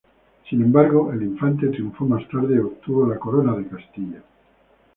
Sin embargo, el Infante triunfó más tarde y obtuvo la corona de Castilla.